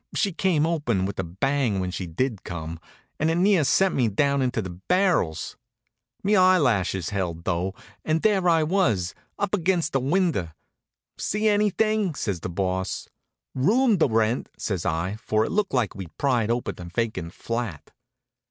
She came open with a bang when she did come, and it near sent me down into the barrels. Me eyelashes held though, and there I was, up against a window. "See anything?" says the Boss. "Room to rent," says I, for it looked like we'd pried open a vacant flat.